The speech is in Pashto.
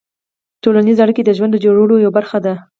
ټولنیز اړیکې د ژوند د جوړولو یوه برخه ده.